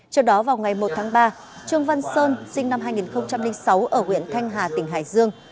trước đó vào ngày một tháng ba trương văn sơn sinh năm hai nghìn sáu ở huyện thanh hà tỉnh hải dương